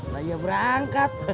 lah iya berangkat